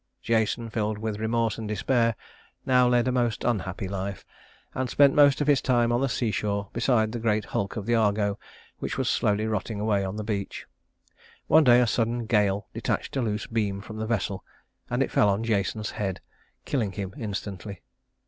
Jason, filled with remorse and despair, now led a most unhappy life, and spent most of his time on the seashore beside the great hulk of the Argo, which was slowly rotting away on the beach. One day a sudden gale detached a loose beam from the vessel, and it fell on Jason's head, killing him instantly.